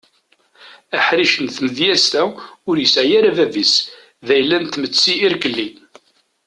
Aḥric seg tmedyaz-a ur yesɛi ara bab-is d ayla n tmetti irkeli.